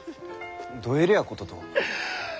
どえりゃこととは？